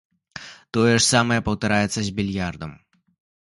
Тое ж самае паўтараецца з більярдам.